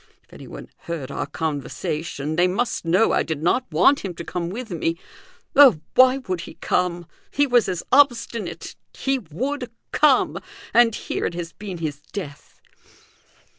If anyone heard our conversation, they must know I did not want him to come with me. Oh! why would he come? He was as obstinate he would come and here it has been his death!"